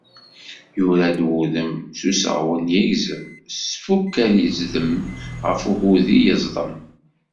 Yurad wudem, s useɣwen yegzem, s tfukal yezdem, ɣef ugudi yezḍem.